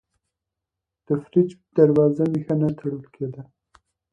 د فریج دروازه مې ښه نه تړل کېده.